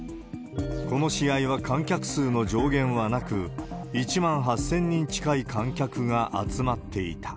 この試合は観客数の上限はなく、１万８０００人近い観客が集まっていた。